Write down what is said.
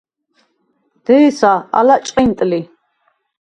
დე̄სა, ალა ჭყინტ ლი.